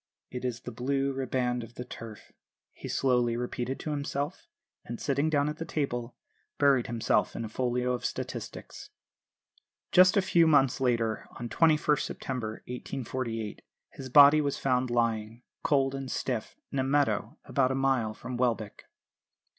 "'It is the Blue Riband of the Turf,' he slowly repeated to himself; and, sitting down at a table, buried himself in a folio of statistics." Just a few months later, on 21st September 1848, his body was found lying, cold and stiff, in a meadow about a mile from Welbeck.